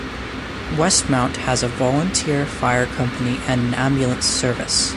Westmont has a volunteer fire company and an ambulance service.